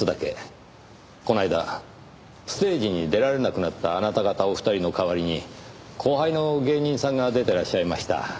この間ステージに出られなくなったあなた方お二人の代わりに後輩の芸人さんが出てらっしゃいました。